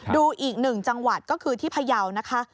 ดูอีกหนึ่งจังหวัดก็คือที่พยาวนะคะ